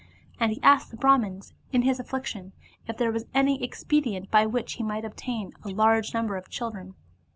And he asked the Brahmans in his affliction if there was any expedient by which he might obtain a large number of children.